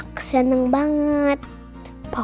pokoknya gak ada tempat yang ngebi domensial